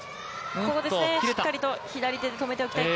しっかりと左手で止めておきたい。